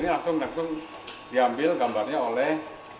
ini langsung langsung diambil gambarnya oleh